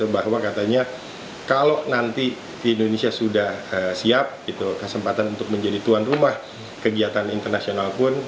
bahwa katanya kalau nanti di indonesia sudah siap kesempatan untuk menjadi tuan rumah kegiatan internasional pun